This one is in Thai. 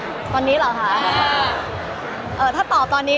มันเป็นเรื่องน่ารักที่เวลาเจอกันเราต้องแซวอะไรอย่างเงี้ย